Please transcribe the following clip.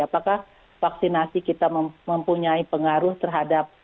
apakah vaksinasi kita mempunyai pengaruh terhadap